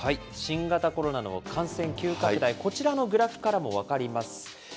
新型コロナの感染急拡大、こちらのグラフからも分かります。